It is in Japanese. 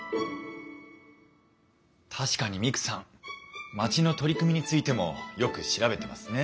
確かにミクさん町の取り組みについてもよく調べてますね。